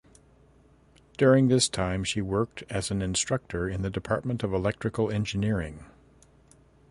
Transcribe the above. During this time she worked as an instructor in the Department of Electrical Engineering.